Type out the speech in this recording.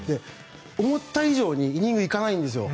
思った以上にイニングいかないんですよ。